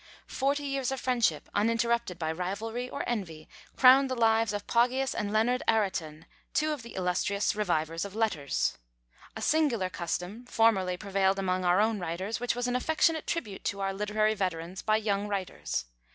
Forty years of friendship, uninterrupted by rivalry or envy, crowned the lives of Poggius and Leonard Aretin, two of the illustrious revivers of letters. A singular custom formerly prevailed among our own writers, which was an affectionate tribute to our literary veterans by young writers.